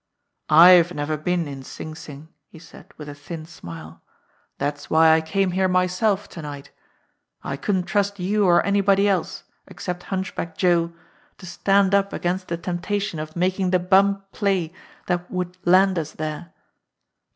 "I've never been in Sing Sing," he said, with a thin smile. "That's why I came here myself to night. I couldn't trust you or anybody else, except Hunchback Joe, to stand up against the temptation of making the bum play that would land us there.